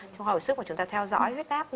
trong hồi sức của chúng ta theo dõi huyết áp